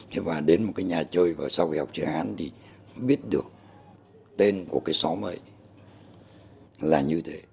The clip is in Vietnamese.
thế và đến một cái nhà chơi và sau khi học chơi hán thì biết được tên của cái xóm ấy là như thế